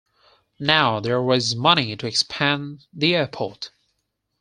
Now there was money to expand the airport.